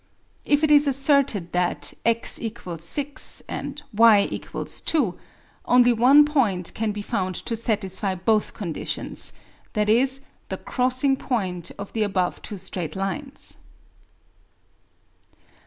If it is asserted that x = 6 and y = 2, only one point can be found to satisfy both conditions, viz. the crossing point of the above two straight lines.